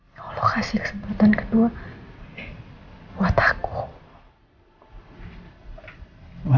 itu mudah banget buat aku ya